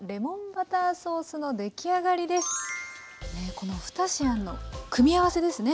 この２品の組み合わせですね。